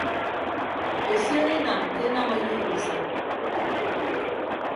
Esion enañ ke enañ ọyuup isịm.